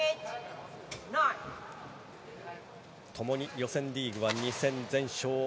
共に予選リーグは２戦全勝。